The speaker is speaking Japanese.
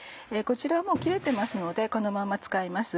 こちらはもう切れてますのでこのまま使います。